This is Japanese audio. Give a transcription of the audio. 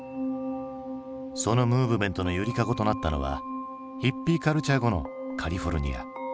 そのムーブメントの揺りかごとなったのはヒッピー・カルチャー後のカリフォルニア。